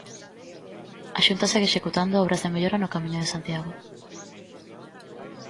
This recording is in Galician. A Xunta segue executando obras de mellora no Camiño de Santiago.